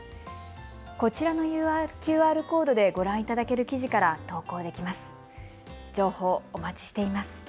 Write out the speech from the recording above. こちらのＱＲコードでご覧いただける記事から投稿できます。